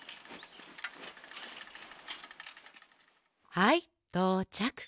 はいとうちゃく。